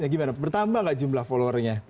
gimana bertambah gak jumlah followernya